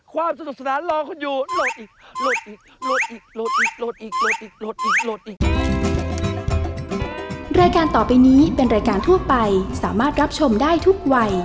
ความสนุกสนานรอคนอยู่โหดอีกโหดอีกโหดอีกโหดอีกโหดอีก